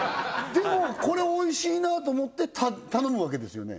でもこれおいしいなと思って頼むわけですよね